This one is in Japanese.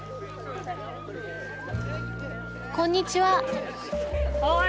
こんにちは。